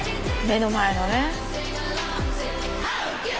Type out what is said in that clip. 目の前のね。